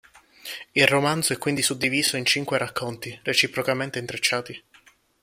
Il romanzo è quindi suddiviso in cinque racconti reciprocamente intrecciati.